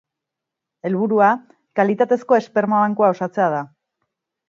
Helburua, kalitatezko esperma bankua osatzea da.